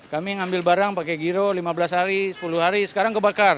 kami ngambil barang pakai giro lima belas hari sepuluh hari sekarang kebakar